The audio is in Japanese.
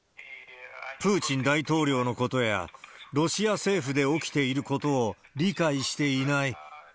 プーチン大統領のことや、ロシア政府で起きていることを理解していない。